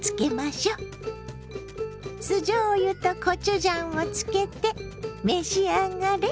酢じょうゆとコチュジャンをつけて召し上がれ！